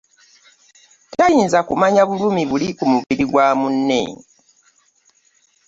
Tayinza kumanya bulumi buli ku mubiri gwa munne .